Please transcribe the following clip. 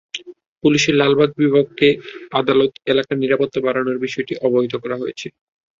পুলিশের লালবাগ বিভাগকে আদালত এলাকায় নিরাপত্তা বাড়ানোর বিষয়টি অবহিত করা হয়েছে।